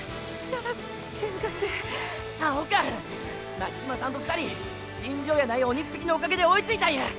巻島さんと２人尋常やないオニっ引きのおかげで追いついたんや！